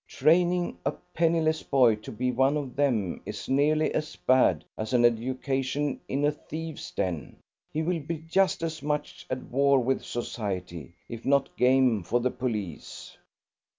Training a penniless boy to be one of them is nearly as bad as an education in a thieves' den; he will be just as much at war with society, if not game for the police."